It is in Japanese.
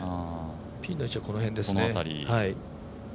ピンの位置はこの辺ですね。